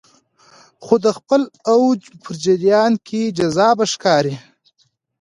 خو د خپل اوج په جریان کې جذابه ښکاري